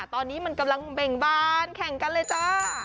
ตอนนี้มันกำลังเบ่งบานแข่งกันเลยจ้า